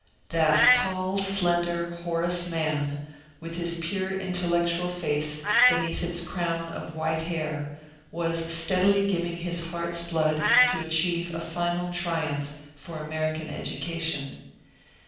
That tall slender Horace 264 MONCURE DANIEL CONWAY ManD, with his pure, intellectual faoe beneath its crown of white hair, was steadily giving his heart's blood to achieve a final triumph for American education.